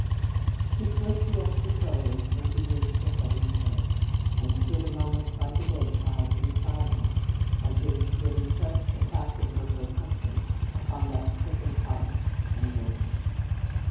She slipped the extra pillows from beneath the heavy head, and stood a moment by the bedside in silence as if she would impress the fact of her protection upon that stricken heart and brain.